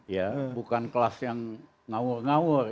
ya bukan kelas yang ngawur ngawur